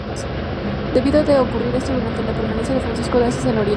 Debió de ocurrir esto durante la permanencia de Francisco de Asís en Oriente.